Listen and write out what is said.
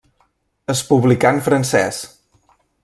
Es publicà en francès.